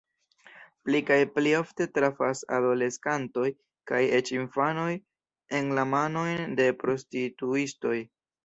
Pli kaj pli ofte trafas adoleskantoj kaj eĉ infanoj en la manojn de prostituistoj.